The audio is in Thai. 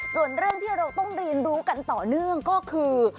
ส่วนเรื่องที่เราต้องเรียนรู้กันต่อเนื่องก็คือ